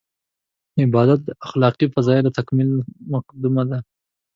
عبادت د اخلاقي فضایلو تکمیل مقدمه ده.